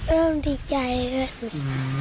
เริ่มดีใจขึ้น